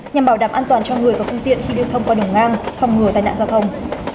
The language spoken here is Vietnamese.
nhằm bảo đảm an toàn cho người và phương tiện khi điêu thông qua đường ngang phòng ngừa tai nạn giao thông